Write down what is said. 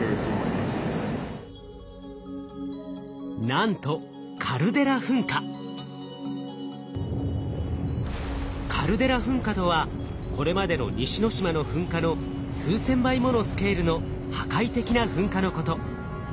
なんとカルデラ噴火とはこれまでの西之島の噴火の数千倍ものスケールの破壊的な噴火のこと。